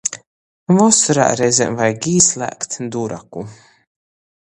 Vosorā reizem vajag "īslēgt" duraku...